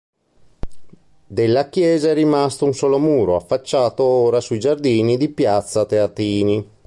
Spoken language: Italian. Della chiesa è rimasto un solo muro, affacciato ora sui giardini di piazza Teatini.